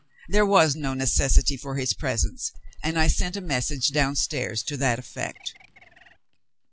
There was no necessity for his presence; and I sent a message downstairs to that effect.